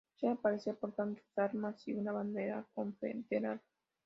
Suele aparecer portando sus armas y una bandera confederada.